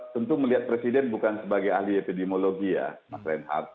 tentu melihat presiden bukan sebagai ahli epidemiologi ya mas reinhardt